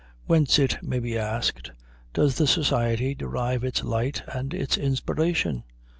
Whence, it may be asked, does the society derive its light and its inspiration?